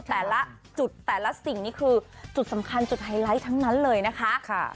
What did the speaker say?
แต่ละจุดแต่ละสิ่งนี้คือจุดสำคัญจุดไฮไลท์ทั้งนั้นเลยนะคะ